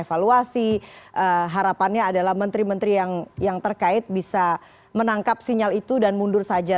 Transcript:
evaluasi harapannya adalah menteri menteri yang terkait bisa menangkap sinyal itu dan mundur saja